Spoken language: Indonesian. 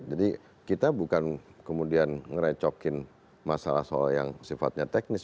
jadi kita bukan kemudian ngerecokin masalah soal yang sifatnya teknis